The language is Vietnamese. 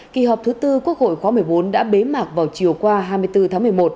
kỳ họp thứ tư quốc hội khóa một mươi bốn đã bế mạc vào chiều qua hai mươi bốn tháng một mươi một